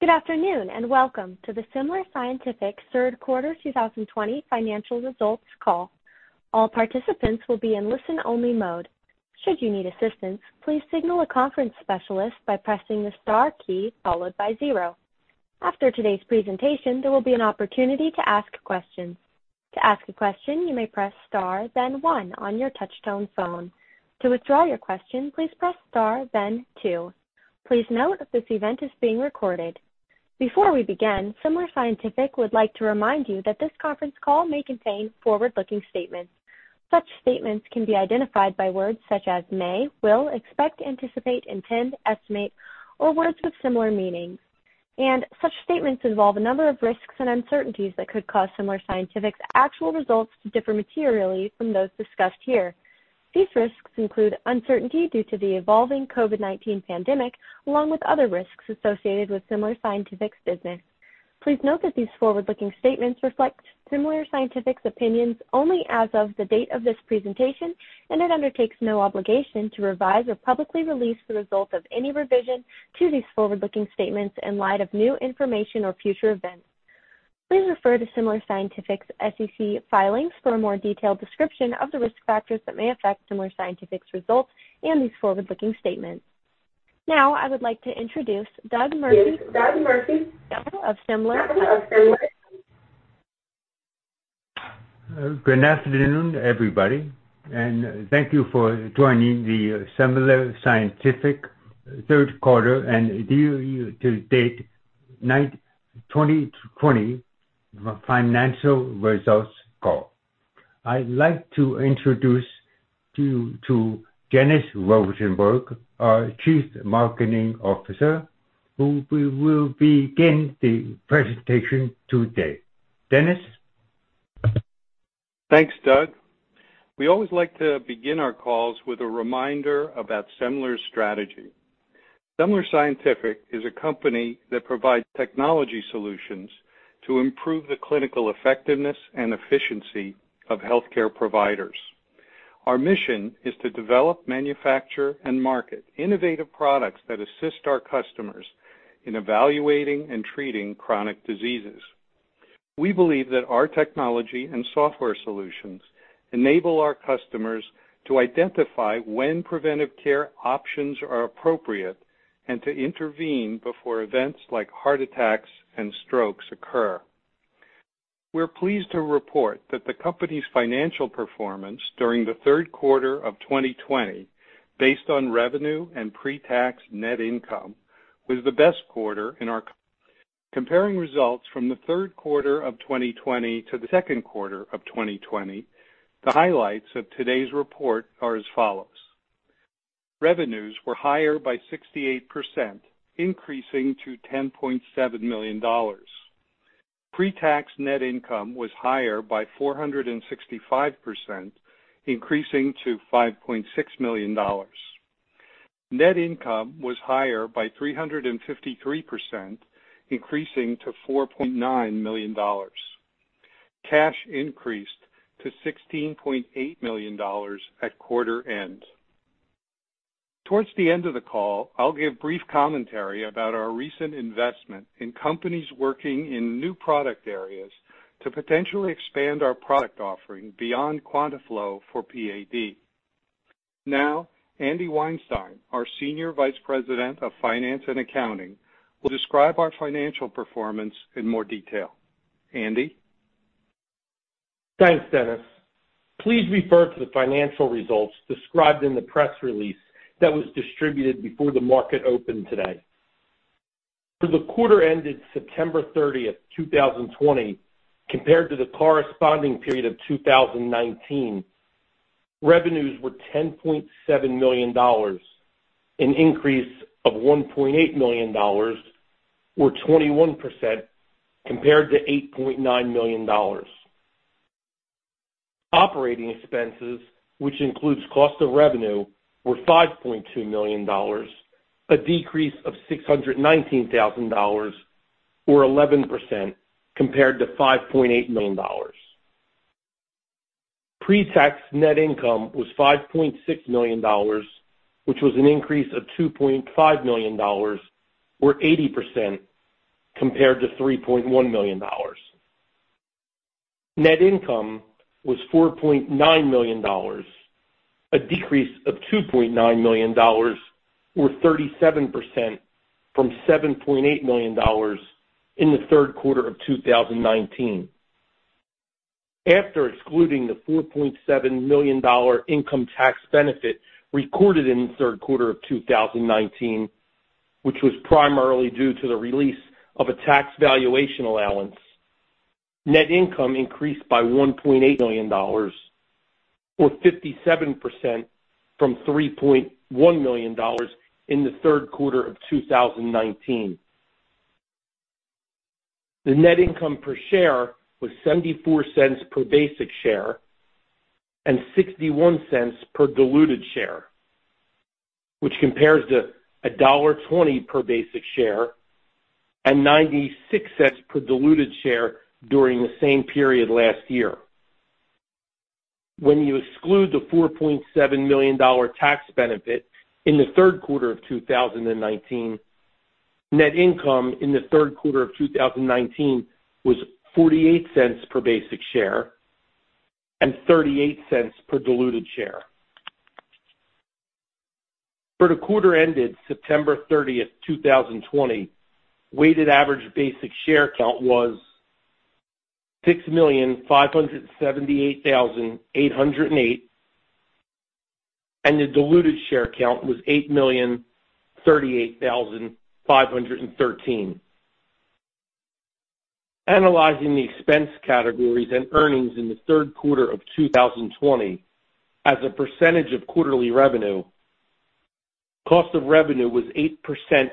Good afternoon, and welcome to the Semler Scientific third quarter 2020 financial results call. All participants will be in listen only mode. Should you need assistance, please signal a conference specialist by pressing the star key followed by zero. After today's presentation, there will be an opportunity to ask questions. To ask a question, you may press star then one on your touch-tone phone. To withdraw your question, please press star then two. Please note that this event is being recorded. Before we begin, Semler Scientific would like to remind you that this conference call may contain forward-looking statements. Such statements can be identified by words such as may, will, expect, anticipate, intend, estimate, or words with similar meanings. Such statements involve a number of risks and uncertainties that could cause Semler Scientific's actual results to differ materially from those discussed here. These risks include uncertainty due to the evolving COVID-19 pandemic, along with other risks associated with Semler Scientific's business. Please note that these forward-looking statements reflect Semler Scientific's opinions only as of the date of this presentation, and it undertakes no obligation to revise or publicly release the results of any revision to these forward-looking statements in light of new information or future events. Please refer to Semler Scientific's SEC filings for a more detailed description of the risk factors that may affect Semler Scientific's results and these forward-looking statements. Now, I would like to introduce Doug Murphy of Semler. Good afternoon, everybody. Thank you for joining the Semler Scientific third quarter and year to date 2020 financial results call. I'd like to introduce you to Dennis Rosenberg, our Chief Marketing Officer, who will begin the presentation today. Dennis? Thanks, Doug. We always like to begin our calls with a reminder about Semler's strategy. Semler Scientific is a company that provides technology solutions to improve the clinical effectiveness and efficiency of healthcare providers. Our mission is to develop, manufacture, and market innovative products that assist our customers in evaluating and treating chronic diseases. We believe that our technology and software solutions enable our customers to identify when preventive care options are appropriate and to intervene before events like heart attacks and strokes occur. We're pleased to report that the company's financial performance during the third quarter of 2020, based on revenue and pre-tax net income. Comparing results from the third quarter of 2020 to the second quarter of 2020, the highlights of today's report are as follows. Revenues were higher by 68%, increasing to $10.7 million. Pre-tax net income was higher by 465%, increasing to $5.6 million. Net income was higher by 353%, increasing to $4.9 million. Cash increased to $16.8 million at quarter end. Towards the end of the call, I'll give brief commentary about our recent investment in companies working in new product areas to potentially expand our product offering beyond QuantaFlo for PAD. Now, Andy Weinstein, our Senior Vice President of Finance and Accounting, will describe our financial performance in more detail. Andy? Thanks, Dennis. Please refer to the financial results described in the press release that was distributed before the market opened today. For the quarter ended September 30th, 2020, compared to the corresponding period of 2019, revenues were $10.7 million, an increase of $1.8 million, or 21%, compared to $8.9 million. Operating expenses, which includes cost of revenue, were $5.2 million, a decrease of $619,000, or 11%, compared to $5.8 million. Pre-tax net income was $5.6 million, which was an increase of $2.5 million, or 80%, compared to $3.1 million. Net income was $4.9 million, a decrease of $2.9 million or 37% from $7.8 million in the third quarter of 2019. After excluding the $4.7 million income tax benefit recorded in the third quarter of 2019, which was primarily due to the release of a tax valuation allowance, net income increased by $1.8 million or 57% from $3.1 million in the third quarter of 2019. The net income per share was $0.74 per basic share and $0.61 per diluted share, which compares to $1.20 per basic share and $0.96 per diluted share during the same period last year. When you exclude the $4.7 million tax benefit in the third quarter of 2019, net income in the third quarter of 2019 was $0.48 per basic share and $0.38 per diluted share. For the quarter ended September 30th, 2020, weighted average basic share count was 6,578,808, and the diluted share count was 8,038,513. Analyzing the expense categories and earnings in the third quarter of 2020 as a percentage of quarterly revenue, cost of revenue was 8%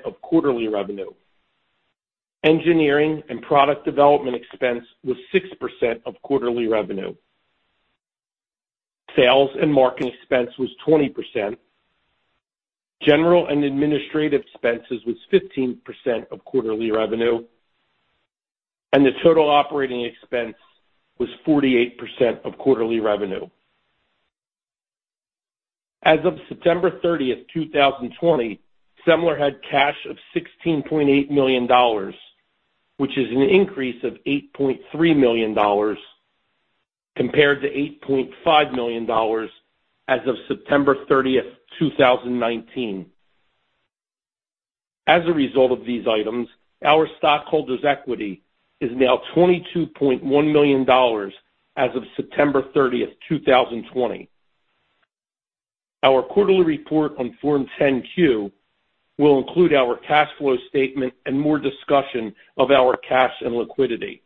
of quarterly revenue. Engineering and product development expense was 6% of quarterly revenue. Sales and marketing expense was 20%. General and administrative expenses was 15% of quarterly revenue, and the total operating expense was 48% of quarterly revenue. As of September 30th, 2020, Semler had cash of $16.8 million, which is an increase of $8.3 million compared to $8.5 million as of September 30th, 2019. As a result of these items, our stockholders' equity is now $22.1 million as of September 30th, 2020. Our quarterly report on Form 10-Q will include our cash flow statement and more discussion of our cash and liquidity.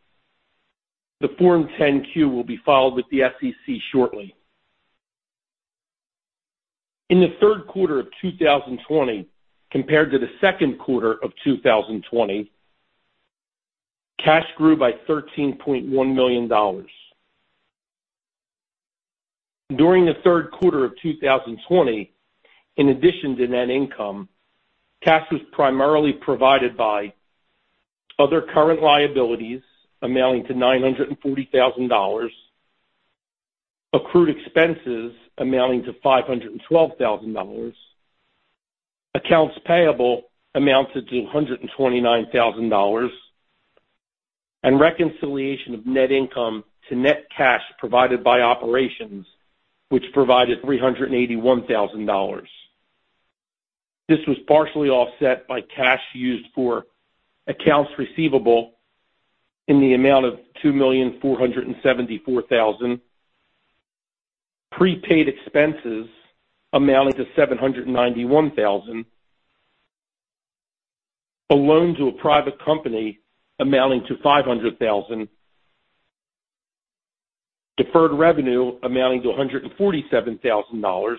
The Form 10-Q will be filed with the SEC shortly. In the third quarter of 2020 compared to the second quarter of 2020, cash grew by $13.1 million. During the third quarter of 2020, in addition to net income, cash was primarily provided by other current liabilities amounting to $940,000, accrued expenses amounting to $512,000, accounts payable amounted to $129,000, and reconciliation of net income to net cash provided by operations, which provided $381,000. This was partially offset by cash used for accounts receivable in the amount of $2,474,000, prepaid expenses amounting to $791,000, a loan to a private company amounting to $500,000, deferred revenue amounting to $147,000,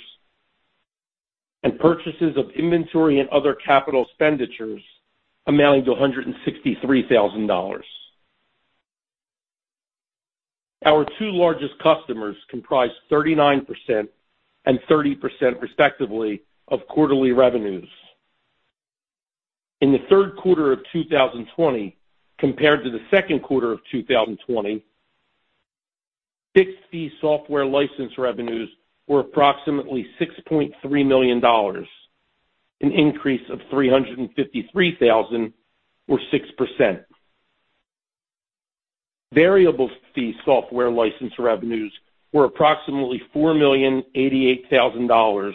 and purchases of inventory and other capital expenditures amounting to $163,000. Our two largest customers comprise 39% and 30%, respectively, of quarterly revenues. In the third quarter of 2020 compared to the second quarter of 2020, fixed-fee software license revenues were approximately $6.3 million, an increase of $353,000, or 6%. Variable-fee software license revenues were approximately $4,088,000,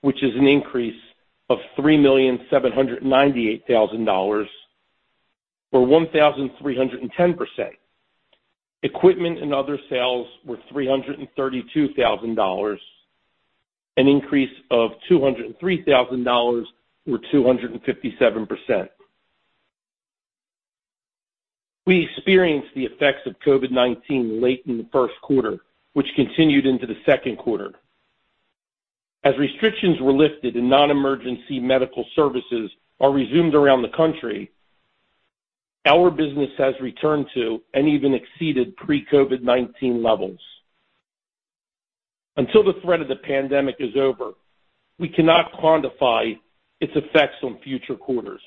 which is an increase of $3,798,000, or 1,310%. Equipment and other sales were $332,000, an increase of $203,000, or 257%. We experienced the effects of COVID-19 late in the first quarter, which continued into the second quarter. As restrictions were lifted and non-emergency medical services are resumed around the country, our business has returned to and even exceeded pre-COVID-19 levels. Until the threat of the pandemic is over, we cannot quantify its effects on future quarters.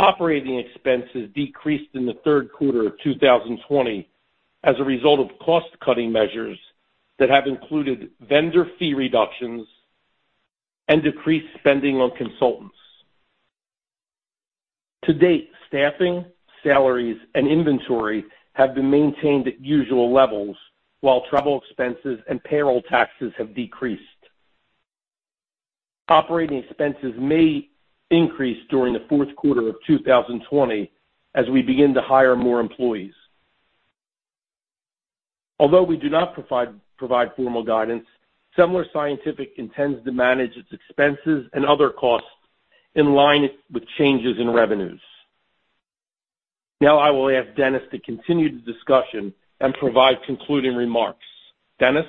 Operating expenses decreased in the third quarter of 2020 as a result of cost-cutting measures that have included vendor fee reductions and decreased spending on consultants. To date, staffing, salaries, and inventory have been maintained at usual levels while travel expenses and payroll taxes have decreased. Operating expenses may increase during the fourth quarter of 2020 as we begin to hire more employees. Although we do not provide formal guidance, Semler Scientific intends to manage its expenses and other costs in line with changes in revenues. I will ask Dennis to continue the discussion and provide concluding remarks. Dennis?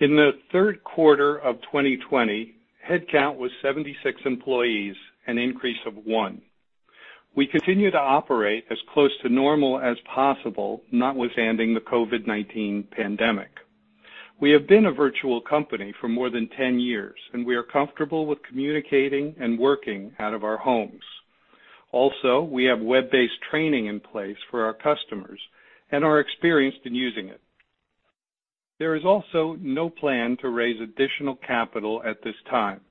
In the third quarter of 2020, headcount was 76 employees, an increase of one. We continue to operate as close to normal as possible, notwithstanding the COVID-19 pandemic. We have been a virtual company for more than 10 years, and we are comfortable with communicating and working out of our homes. Also, we have web-based training in place for our customers and are experienced in using it. There is also no plan to raise additional capital at this time.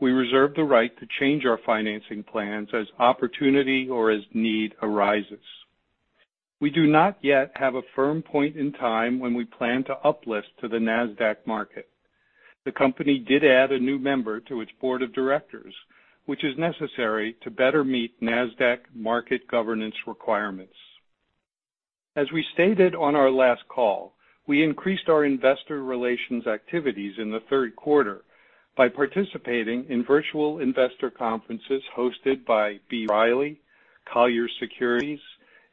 We reserve the right to change our financing plans as opportunity or as need arises. We do not yet have a firm point in time when we plan to uplist to the Nasdaq market. The company did add a new member to its board of directors, which is necessary to better meet Nasdaq market governance requirements. As we stated on our last call, we increased our investor relations activities in the third quarter by participating in virtual investor conferences hosted by B. Riley, Colliers Securities,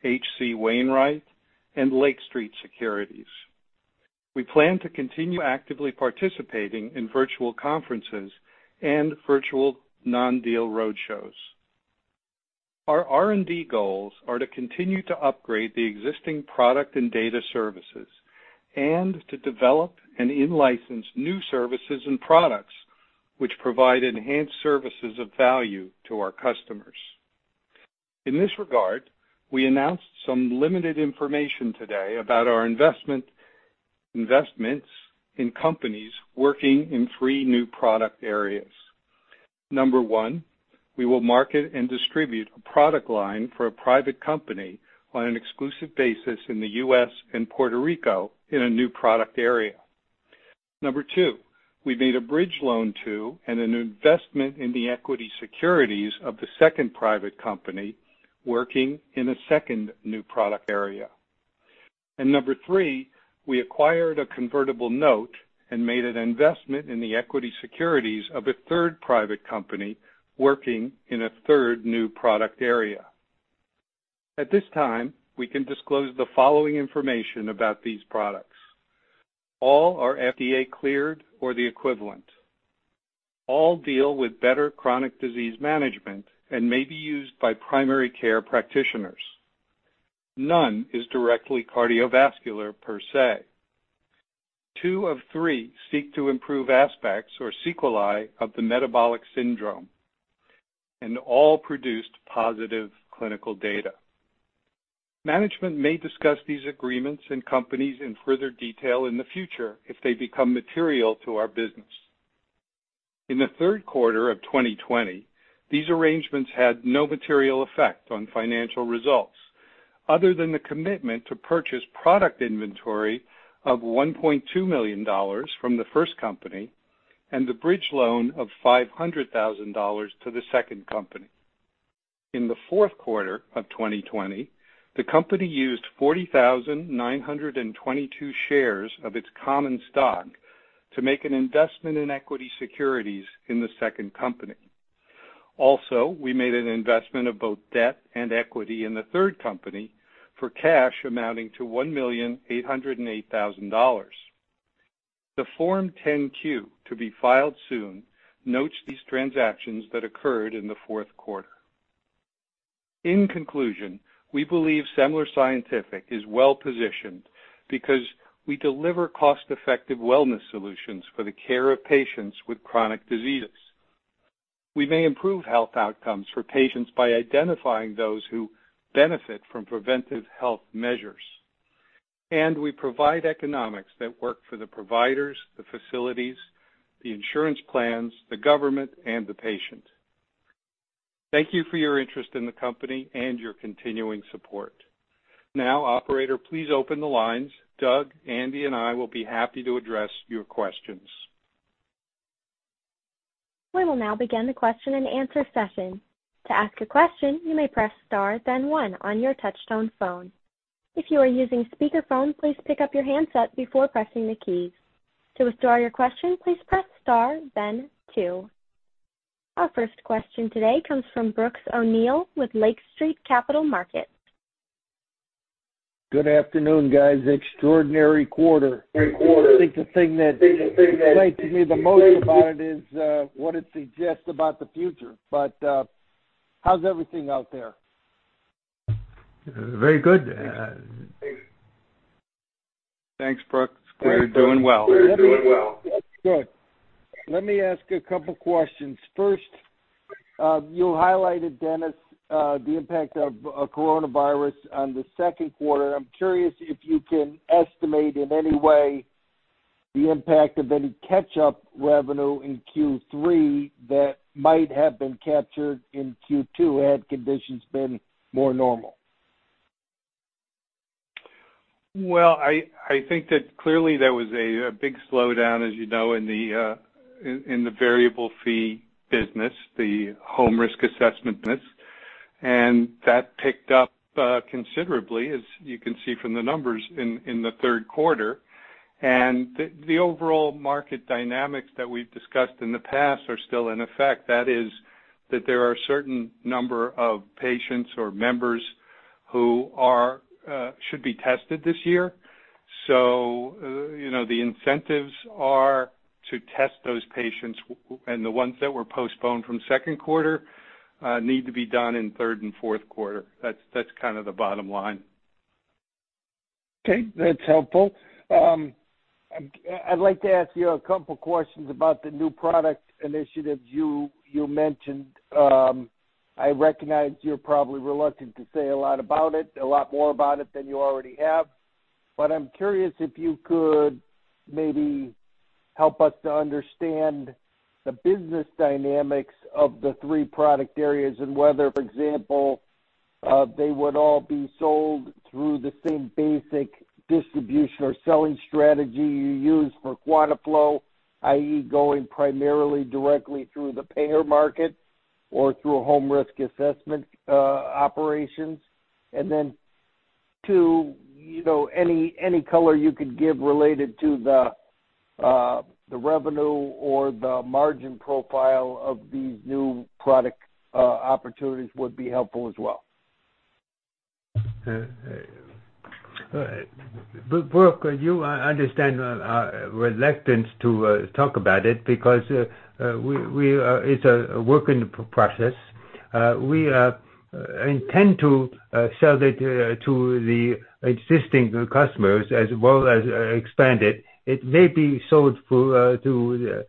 H.C. Wainwright, and Lake Street Securities. We plan to continue actively participating in virtual conferences and virtual non-deal roadshows. Our R&D goals are to continue to upgrade the existing product and data services and to develop and in-license new services and products which provide enhanced services of value to our customers. In this regard, we announced some limited information today about our investments in companies working in three new product areas. Number one, we will market and distribute a product line for a private company on an exclusive basis in the U.S. and Puerto Rico in a new product area. Number two, we made a bridge loan to and an investment in the equity securities of the second private company working in a second new product area. Number three, we acquired a convertible note and made an investment in the equity securities of a third private company working in a third new product area. At this time, we can disclose the following information about these products. All are FDA-cleared or the equivalent. All deal with better chronic disease management and may be used by primary care practitioners. None is directly cardiovascular per se. Two of three seek to improve aspects or sequelae of the metabolic syndrome, and all produced positive clinical data. Management may discuss these agreements and companies in further detail in the future if they become material to our business. In the third quarter of 2020, these arrangements had no material effect on financial results other than the commitment to purchase product inventory of $1.2 million from the first company and the bridge loan of $500,000 to the second company. In the fourth quarter of 2020, the company used 40,922 shares of its common stock to make an investment in equity securities in the second company. We made an investment of both debt and equity in the third company for cash amounting to $1,808,000. The Form 10-Q, to be filed soon, notes these transactions that occurred in the fourth quarter. In conclusion, we believe Semler Scientific is well-positioned because we deliver cost-effective wellness solutions for the care of patients with chronic diseases. We may improve health outcomes for patients by identifying those who benefit from preventive health measures. We provide economics that work for the providers, the facilities, the insurance plans, the government, and the patient. Thank you for your interest in the company and your continuing support. Operator, please open the lines. Doug, Andy, and I will be happy to address your questions. We will now begin the question and answer session. To ask a question, you may press star then one on your touch-tone phone. If you are using speakerphone, please pick up your handset before pressing the keys. To restore your question, please press star then two. Our first question today comes from Brooks O'Neil with Lake Street Capital Markets. Good afternoon, guys. Extraordinary quarter. I think the thing that strikes me the most about it is what it suggests about the future. How's everything out there? Very good. Thanks, Brooks. We're doing well. That's good. Let me ask a couple questions. First, you highlighted, Dennis, the impact of coronavirus on the second quarter. I'm curious if you can estimate in any way the impact of any catch-up revenue in Q3 that might have been captured in Q2 had conditions been more normal. Well, I think that clearly there was a big slowdown, as you know, in the variable fee business, the home risk assessment business. That picked up considerably, as you can see from the numbers in the third quarter. The overall market dynamics that we've discussed in the past are still in effect. That is that there are a certain number of patients or members who should be tested this year. The incentives are to test those patients. The ones that were postponed from second quarter need to be done in third and fourth quarter. That's the bottom line. Okay, that's helpful. I'd like to ask you a couple questions about the new product initiatives you mentioned. I recognize you're probably reluctant to say a lot more about it than you already have, but I'm curious if you could maybe help us to understand the business dynamics of the three product areas and whether, for example, they would all be sold through the same basic distribution or selling strategy you use for QuantaFlo, i.e., going primarily directly through the payer market or through a home risk assessment operations. Two, any color you could give related to the revenue or the margin profile of these new product opportunities would be helpful as well. Brooks, you understand our reluctance to talk about it because it's a work in process. We intend to sell that to the existing customers as well as expand it. It may be sold through to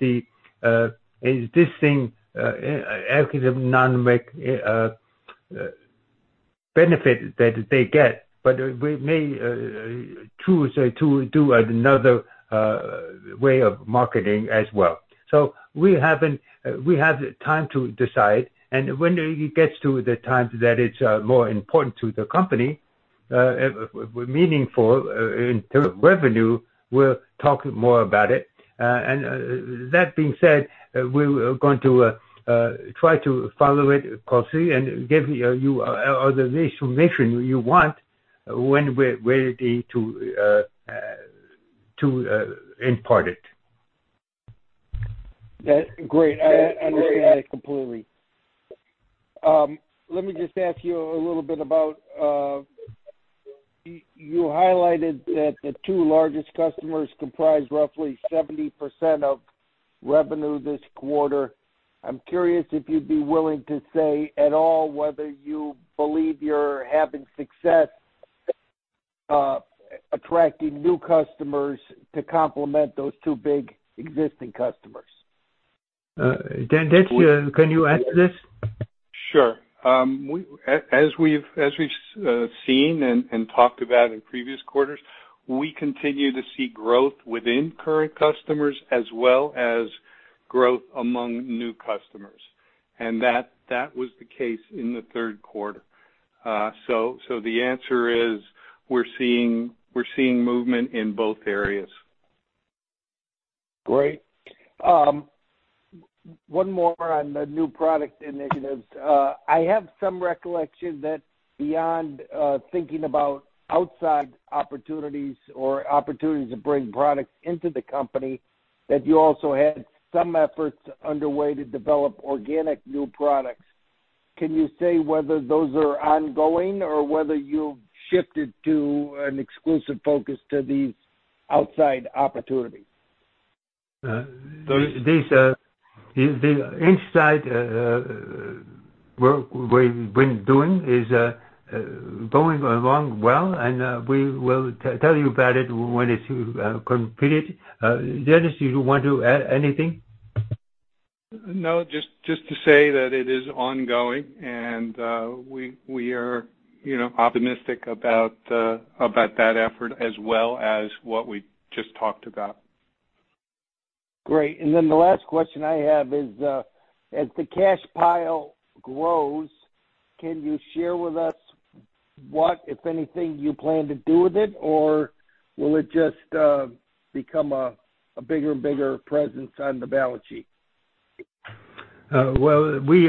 the existing non-benefit that they get, but we may choose to do another way of marketing as well. We have the time to decide, and when it gets to the time that it's more important to the company, meaningful in terms of revenue, we'll talk more about it. That being said, we're going to try to follow it closely and give you all the information you want when we're ready to impart it. Great. I understand that completely. Let me just ask you a little bit about, you highlighted that the two largest customers comprise roughly 70% of revenue this quarter. I'm curious if you'd be willing to say at all whether you believe you're having success attracting new customers to complement those two big existing customers. Dennis, can you answer this? Sure. As we've seen and talked about in previous quarters, we continue to see growth within current customers as well as growth among new customers, and that was the case in the third quarter. The answer is, we're seeing movement in both areas. Great. One more on the new product initiatives. I have some recollection that beyond thinking about outside opportunities or opportunities to bring products into the company, that you also had some efforts underway to develop organic new products. Can you say whether those are ongoing or whether you've shifted to an exclusive focus to these outside opportunities? The inside work we've been doing is going along well, and we will tell you about it when it's completed. Dennis, you want to add anything? No, just to say that it is ongoing, and we are optimistic about that effort as well as what we just talked about. Great. The last question I have is, as the cash pile grows, can you share with us what, if anything, you plan to do with it? Or will it just become a bigger and bigger presence on the balance sheet? Well, we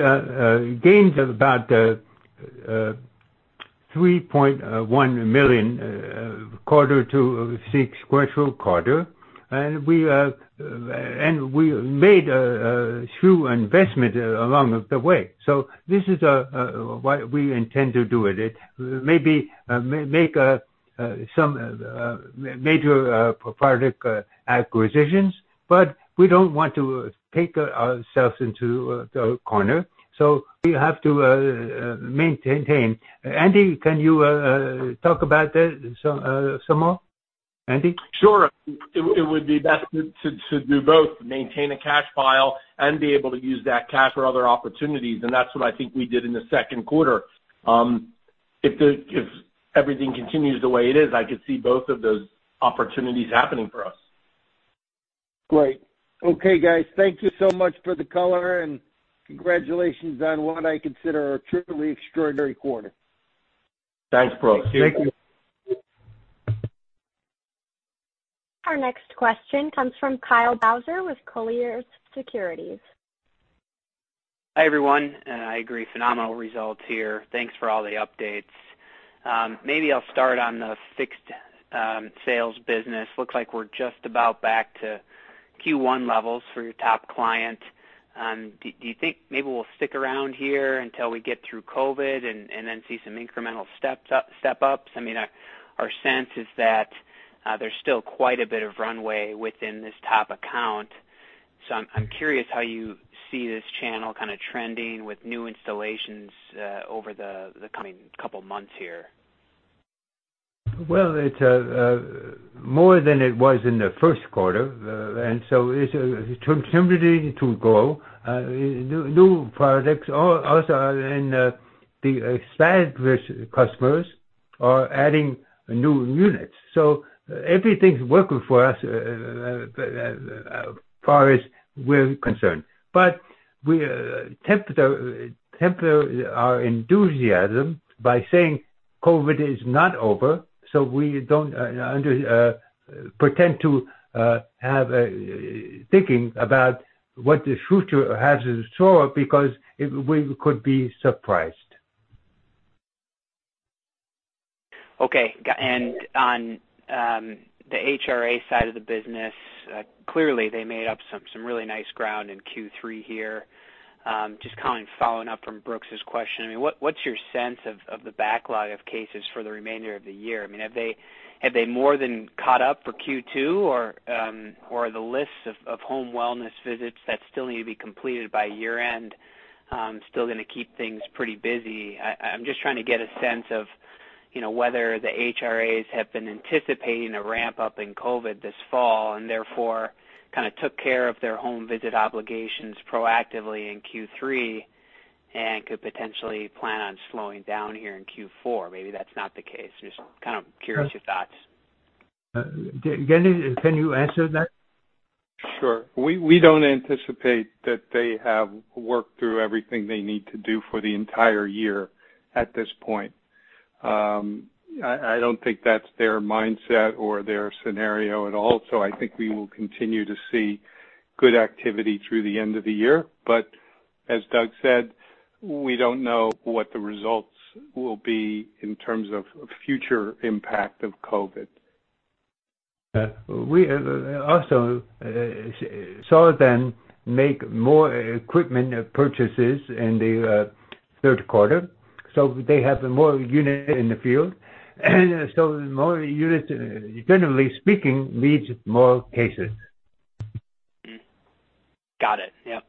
gained about $3.1 million quarter to six sequential quarter, and we made a few investment along the way. This is what we intend to do with it. Maybe make some major product acquisitions, but we don't want to take ourselves into a corner, so we have to maintain. Andy, can you talk about that some more? Andy? Sure. It would be best to do both, maintain a cash pile and be able to use that cash for other opportunities, and that's what I think we did in the second quarter. If everything continues the way it is, I could see both of those opportunities happening for us. Great. Okay, guys, thank you so much for the color. Congratulations on what I consider a truly extraordinary quarter. Thanks, Brooks. See you. Thank you. Our next question comes from Kyle Bauser with Colliers Securities. Hi, everyone. I agree, phenomenal results here. Thanks for all the updates. I'll start on the fixed sales business. Looks like we're just about back to Q1 levels for your top client. Do you think maybe we'll stick around here until we get through COVID and then see some incremental step ups? I mean, our sense is that there's still quite a bit of runway within this top account. I'm curious how you see this channel kind of trending with new installations over the coming couple of months here. It's more than it was in the first quarter. It's continuing to grow. New products also are in the established customers are adding new units. Everything's working for us as far as we're concerned. We temper our enthusiasm by saying COVID is not over, so we don't pretend to have a thinking about what the future has in store, because we could be surprised. Okay. On the HRA side of the business, clearly they made up some really nice ground in Q3 here. Just kind of following up from Brooks's question, what's your sense of the backlog of cases for the remainder of the year? Have they more than caught up for Q2? Are the lists of home wellness visits that still need to be completed by year-end still going to keep things pretty busy? I'm just trying to get a sense of whether the HRAs have been anticipating a ramp-up in COVID-19 this fall, and therefore kind of took care of their home visit obligations proactively in Q3 and could potentially plan on slowing down here in Q4. Maybe that's not the case. Just kind of curious your thoughts. Dennis, can you answer that? Sure. We don't anticipate that they have worked through everything they need to do for the entire year at this point. I don't think that's their mindset or their scenario at all. I think we will continue to see good activity through the end of the year. As Doug said, we don't know what the results will be in terms of future impact of COVID. We also saw them make more equipment purchases in the third quarter, they have more unit in the field. More units, generally speaking, leads more cases. Got it. Yep.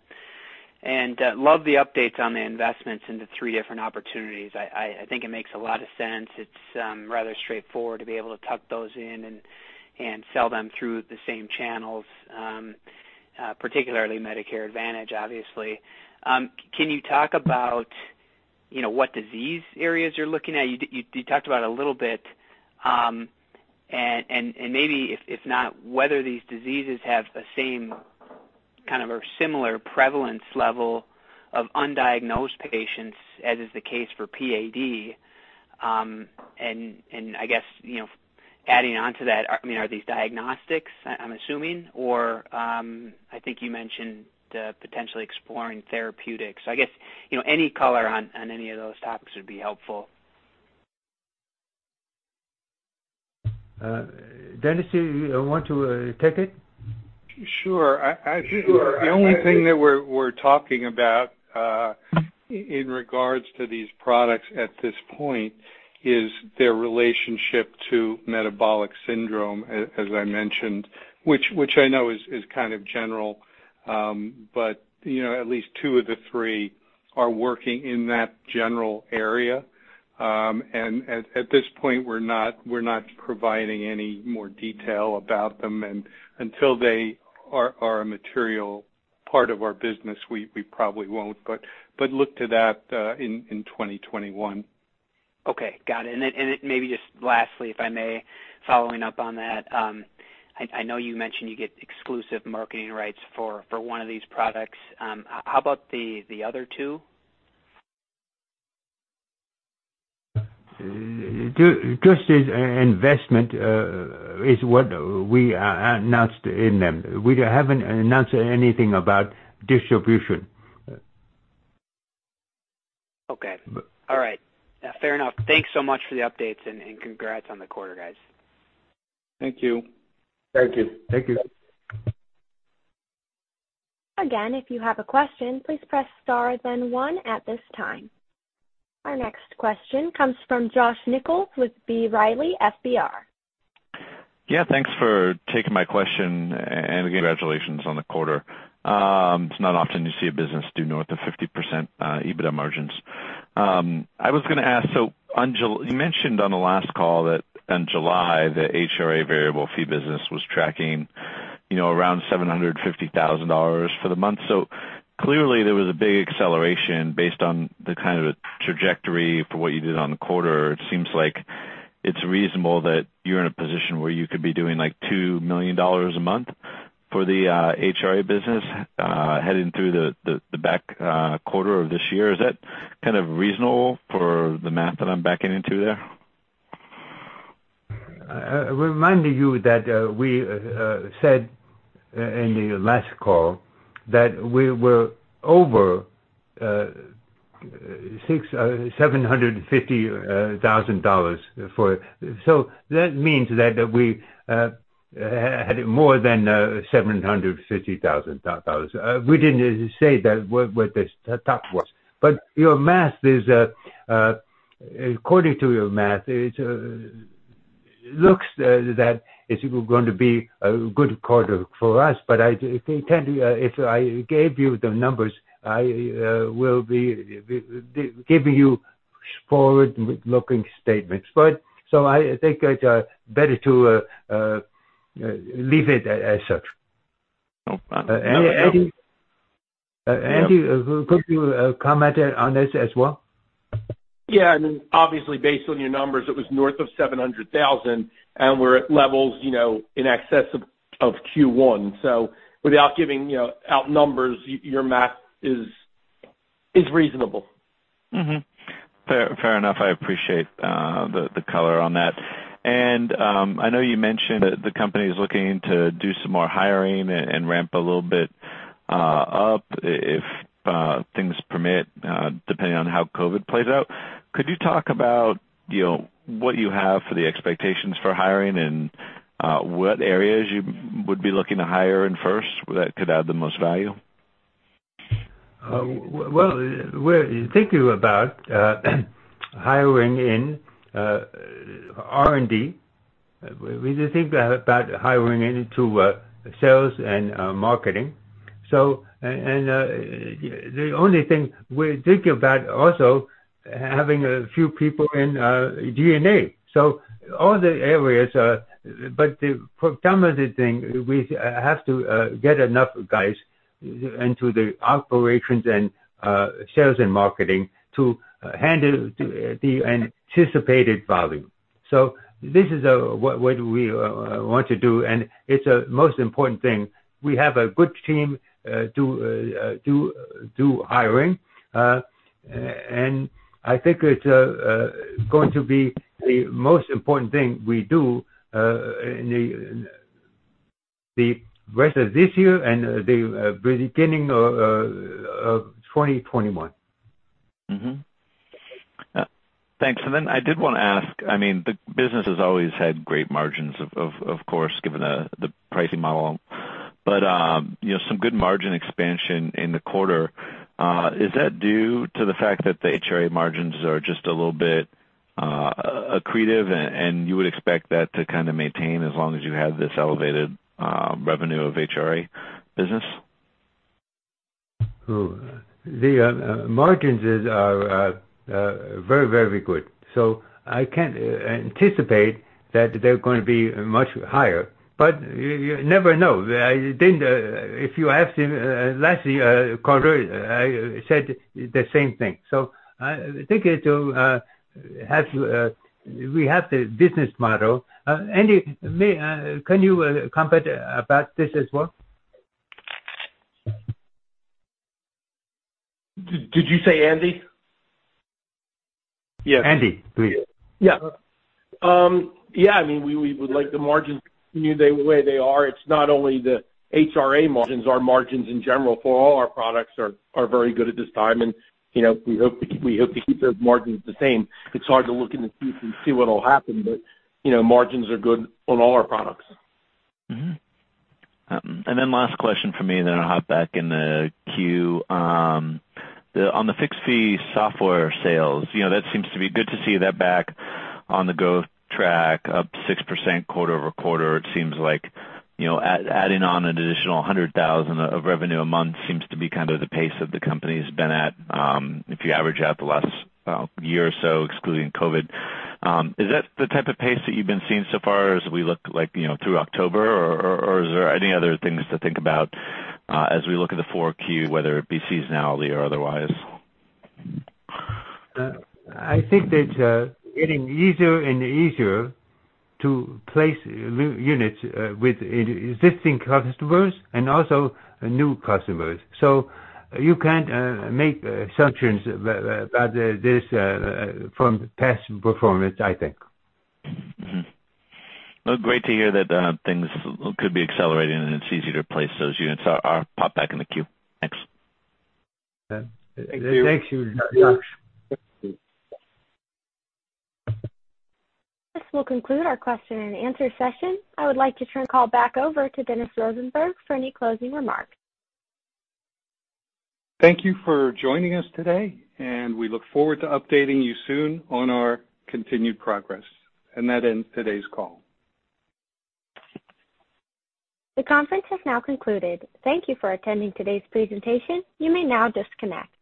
Love the updates on the investments into three different opportunities. I think it makes a lot of sense. It's rather straightforward to be able to tuck those in and sell them through the same channels, particularly Medicare Advantage, obviously. Can you talk about what disease areas you're looking at? You talked about a little bit, maybe if not, whether these diseases have the same kind of, or similar prevalence level of undiagnosed patients, as is the case for PAD. I guess, adding on to that, are these diagnostics? I'm assuming, or I think you mentioned potentially exploring therapeutics. I guess, any color on any of those topics would be helpful. Dennis, you want to take it? Sure. The only thing that we're talking about in regards to these products at this point is their relationship to metabolic syndrome, as I mentioned. Which I know is kind of general. At least two of the three are working in that general area. At this point, we're not providing any more detail about them. Until they are a material part of our business, we probably won't. Look to that in 2021. Okay, got it. Maybe just lastly, if I may, following up on that. I know you mentioned you get exclusive marketing rights for one of these products. How about the other two? Just as investment is what we announced in them. We haven't announced anything about distribution. Okay. All right. Fair enough. Thanks so much for the updates, and congrats on the quarter, guys. Thank you. Thank you. Thank you. Again, if you have a question, please press star then one at this time. Our next question comes from Josh Nichols with B. Riley FBR. Thanks for taking my question, again, congratulations on the quarter. It's not often you see a business do north of 50% EBITDA margins. I was going to ask, you mentioned on the last call that in July the HRA variable fee business was tracking around $750,000 for the month. Clearly there was a big acceleration based on the kind of trajectory for what you did on the quarter. It seems like it's reasonable that you're in a position where you could be doing, like, $2 million a month for the HRA business heading through the back quarter of this year. Is that kind of reasonable for the math that I'm backing into there? Reminding you that we said in the last call that we were over $750,000 for it. That means that we had more than $750,000. We didn't say that what the top was. According to your math, it looks that it's going to be a good quarter for us. If I gave you the numbers, I will be giving you forward-looking statements. I think it's better to leave it as such. No. Andy, could you comment on this as well? Yeah. I mean, obviously, based on your numbers, it was north of $700,000. We're at levels in excess of Q1. Without giving out numbers, your math is reasonable. Fair enough. I appreciate the color on that. I know you mentioned that the company is looking to do some more hiring and ramp a little bit up if things permit, depending on how COVID plays out. Could you talk about what you have for the expectations for hiring and what areas you would be looking to hire in first that could add the most value? Well, we're thinking about hiring in R&D. We think about hiring into sales and marketing. The only thing we're thinking about also, having a few people in G&A. All the areas, for some of the thing, we have to get enough guys into the operations and sales and marketing to handle the anticipated volume. This is what we want to do, it's a most important thing. We have a good team to do hiring. I think it's going to be the most important thing we do in the rest of this year and the beginning of 2021. Mm-hmm. Thanks. I did want to ask, I mean, the business has always had great margins, of course, given the pricing model. Some good margin expansion in the quarter. Is that due to the fact that the HRA margins are just a little bit accretive, and you would expect that to kind of maintain as long as you have this elevated revenue of HRA business? Oh. The margins are very good. I can't anticipate that they're going to be much higher, but you never know. If you asked him last quarter, I said the same thing. I think we have the business model. Andy, can you comment about this as well? Did you say Andy? Andy, please. Yeah. Yeah, I mean, we would like the margins to continue the way they are. It's not only the HRA margins. Our margins in general for all our products are very good at this time, and we hope to keep those margins the same. It's hard to look in the future and see what'll happen, but margins are good on all our products. Mm-hmm. Last question from me, then I'll hop back in the queue. On the fixed fee software sales, that seems to be good to see that back on the growth track, up 6% quarter-over-quarter. It seems like adding on an additional $100,000 of revenue a month seems to be kind of the pace that the company's been at, if you average out the last year or so, excluding COVID-19. Is that the type of pace that you've been seeing so far as we look like through October? Is there any other things to think about as we look at the Q4, whether it be seasonality or otherwise? I think that getting easier and easier to place units with existing customers and also new customers. You can't make assumptions about this from past performance, I think. Well, great to hear that things could be accelerating and it's easier to place those units. I'll pop back in the queue. Thanks. Thank you, Josh. This will conclude our question and answer session. I would like to turn the call back over to Dennis Rosenberg for any closing remarks. Thank you for joining us today, and we look forward to updating you soon on our continued progress. That ends today's call. The conference has now concluded. Thank you for attending today's presentation. You may now disconnect.